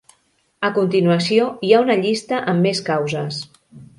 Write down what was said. A continuació hi ha una llista amb més causes.